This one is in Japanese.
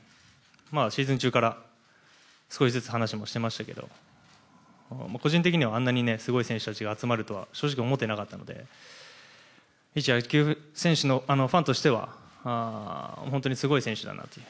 シーズン中から少しずつ話もしていましたが個人的には、あんなにすごい選手たちが集まるとは正直思っていなかったのでいち野球ファンとしては本当にすごい選手だなと。